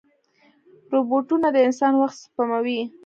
روبوټونه د انسان وخت سپموي.